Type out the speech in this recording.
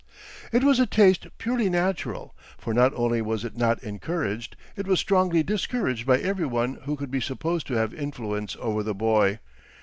It was a taste purely natural, for not only was it not encouraged, it was strongly discouraged by every one who could be supposed to have influence over the boy.